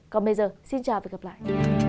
còn bây giờ xin chào và gặp lại